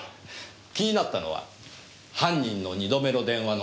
気になったのは犯人の二度目の電話のヘリの音です。